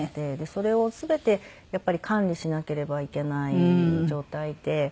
それを全てやっぱり管理しなければいけない状態で。